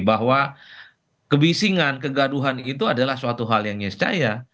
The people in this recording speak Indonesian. bahwa kebisingan kegaduhan itu adalah suatu hal yang niscaya